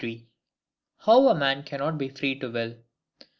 How a man cannot be free to will.